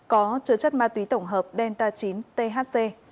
có chứa chất ma túy tổng hợp delta chín thc